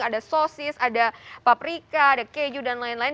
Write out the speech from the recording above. ada sosis ada paprika ada keju dan lain lain